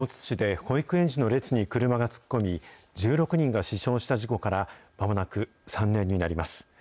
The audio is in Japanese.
大津市で保育園児の列に車が突っ込み、１６人が死傷した事故から、まもなく３年になります。